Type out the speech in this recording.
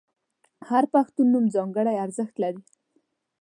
• هر پښتو نوم ځانګړی ارزښت لري.